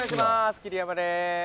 桐山です